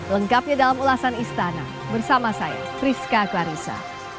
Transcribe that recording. lengkapnya dalam ulasan istana bersama saya priska klarissa